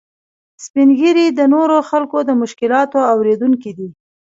سپین ږیری د نورو خلکو د مشکلاتو اورېدونکي دي